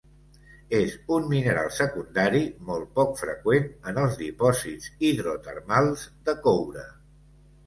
És un mineral secundari molt poc freqüent en els dipòsits hidrotermals de coure.